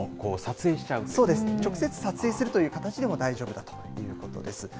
そうです、直接撮影するという形でも大丈夫だということです。